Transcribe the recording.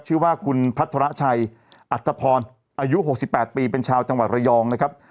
ชื่อว่าคุณพัทรชัยอัตภพรอายุ๖๘ปีเป็นชาวจังหวัดระยองนะครับ